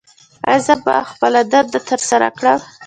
ایا زه به خپله دنده ترسره کړم؟